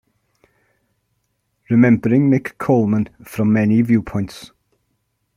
Remembering Nick Coleman - from Many Viewpoints.